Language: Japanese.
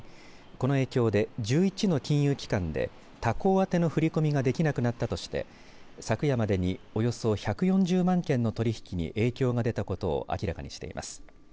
この影響で１１の金融機関で他行宛ての振り込みができなくなったとして昨夜までにおよそ１４０万件の取引に影響が出たことを明らかにしています。